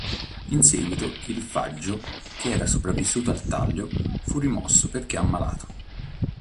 In seguito il faggio che era sopravvissuto al taglio fu rimosso perché ammalato.